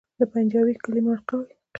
د پنجوایي کلی موقعیت